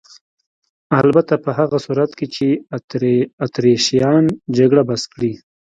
البته په هغه صورت کې چې اتریشیان جګړه بس کړي.